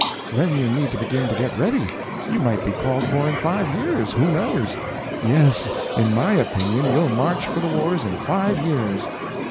Then you need to begin to get ready; you might be called for in five years—who knows? Yes, in my opinion you'll march for the wars in five years."